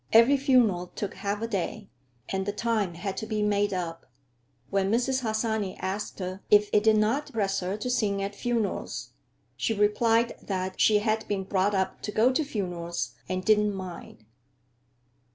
Every funeral took half a day, and the time had to be made up. When Mrs. Harsanyi asked her if it did not depress her to sing at funerals, she replied that she "had been brought up to go to funerals and didn't mind."